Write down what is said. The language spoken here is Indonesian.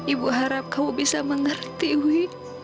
ibu harap kamu bisa mengerti wi